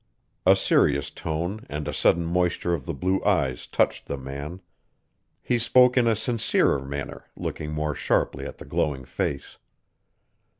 A serious tone and a sudden moisture of the blue eyes touched the man. He spoke in a sincerer manner, looking more sharply at the glowing face.